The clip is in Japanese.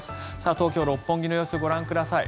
東京・六本木の様子ご覧ください。